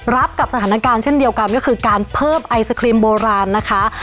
รับกับสถานการณ์เช่นเดียวกันก็คือการเพิ่มไอศครีมโบราณนะคะ